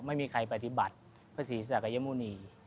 ไม่มีใครปฏิบัติพระศรีศักยมุณี